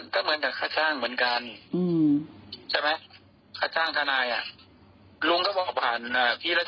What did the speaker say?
ทำให้คนเข้าใจผมผิด